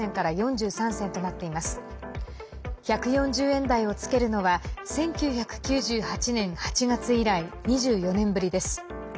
１４０円台をつけるのは１９９８年８月以来２４年ぶりです。